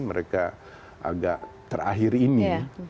mereka agak terakhir ini